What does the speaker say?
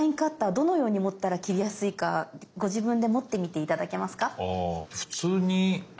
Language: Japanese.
どのように持ったら切りやすいかご自分で持ってみて頂けますか。